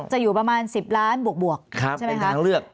ก็จะอยู่ประมาณ๑๐ล้านบวกเป็นทางเลือก